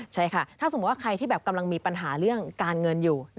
ใช่ค่ะถ้าสมมุติว่าใครที่แบบกำลังมีปัญหาเรื่องการเงินอยู่